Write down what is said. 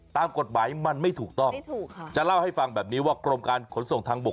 ตามกฎหมายมันไม่ถูกต้องไม่ถูกค่ะจะเล่าให้ฟังแบบนี้ว่ากรมการขนส่งทางบก